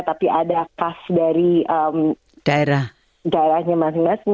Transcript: tapi ada khas dari daerahnya masing masing